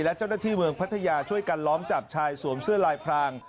และเจ้าหน้าที่เมืองพัทยาช่วยกันล้อมจับชายสวมเสื้อลายพราง